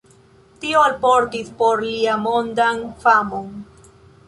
Tio alportis por li mondan famon.